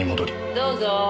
どうぞ。